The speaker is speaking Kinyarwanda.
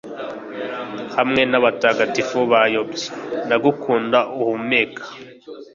hamwe n'abatagatifu bayobye. ndagukunda uhumeka